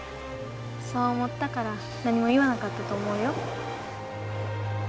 そう思ったから何も言わなかったと思うよ。